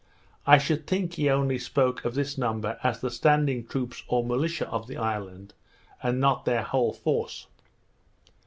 I should think he only spoke of this number as the standing troops or militia of the island, and not their whole force.